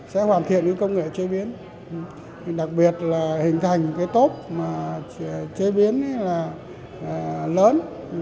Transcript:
sẽ hoàn thiện công nghệ chế biến đặc biệt là hình thành cái tốp chế biến lớn